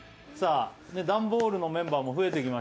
段ボールのメンバーも増えてきましたよ。